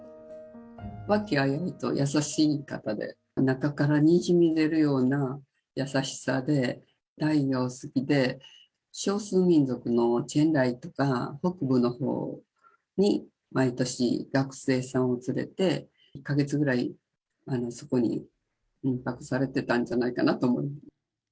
和気あいあいと優しい方で、中からにじみ出るような優しさで、タイがお好きで、少数民族のチェンライとか北部のほうに、毎年、学生さんを連れて、１か月ぐらいそこに民泊されてたんじゃないかなと。